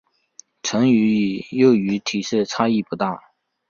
成鱼与幼鱼体色差异不大。